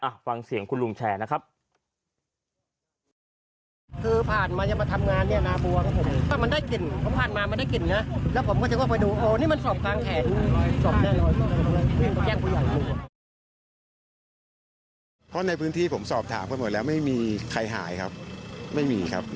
ฟังเสียงคุณลุงแชร์นะครับ